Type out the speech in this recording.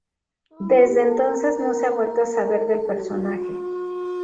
Desde entonces no se ha vuelto a saber del personaje.